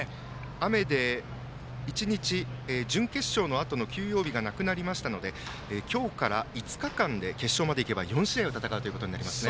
雨で１日、準決勝のあとの休養日がなくなりましたので今日から５日間で決勝までいけば４試合を戦うことになりますね。